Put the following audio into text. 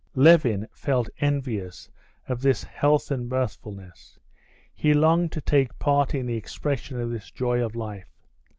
Levin felt envious of this health and mirthfulness; he longed to take part in the expression of this joy of life.